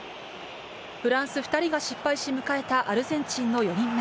フランス２人が失敗し、迎えたアルゼンチンの４人目。